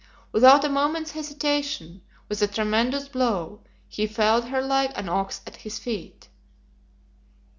Without a moment's hesitation, with a tremendous blow, he felled her like an ox at his feet.